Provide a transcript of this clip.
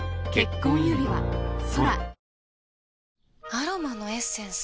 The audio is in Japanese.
アロマのエッセンス？